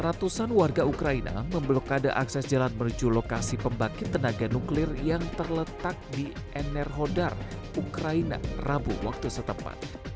ratusan warga ukraina memblokade akses jalan menuju lokasi pembangkit tenaga nuklir yang terletak di enerhodar ukraina rabu waktu setempat